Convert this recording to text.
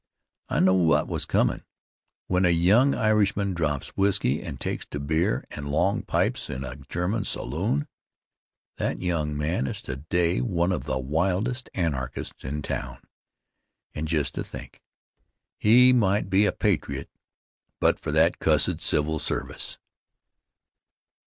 I knew what was comm' when a young Irishman drops whisky and takes to beer and long pipes in a German saloon. That young man is today one of the wildest Anarchists in town. And just to think! He might be a patriot but for that cussed civil service.